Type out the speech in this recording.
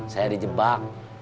saya di jebak